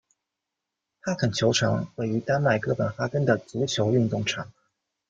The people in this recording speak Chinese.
帕肯球场位于丹麦哥本哈根的足球运动场。